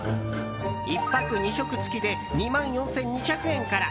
１泊２食付きで２万４２００円から。